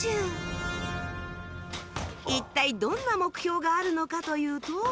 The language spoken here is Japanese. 一体どんな目標があるのかというと